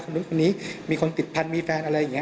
ต้องรู้คนนี้มีคนติดพันธ์มีแฟนอะไรแบบเนี่ย